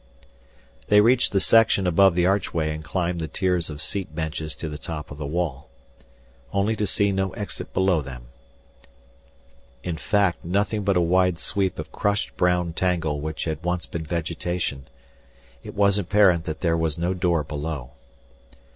They reached the section above the archway and climbed the tiers of seat benches to the top of the wall. Only to see no exit below them. In fact nothing but a wide sweep of crushed brown tangle which had once been vegetation. It was apparent that there was no door below.